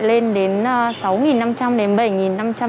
lên đến sáu năm trăm linh đếm bình